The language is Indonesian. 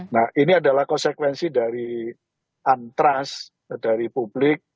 nah ini adalah konsekuensi dari antras dari publik